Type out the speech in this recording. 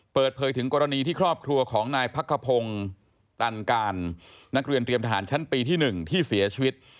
เปิดเผยถึงกรณีที่ครอบครัวของนายพักขพงศ์ตันการนักเรียนเตรียมทหารชั้นปีที่๑ที่เสียชีวิต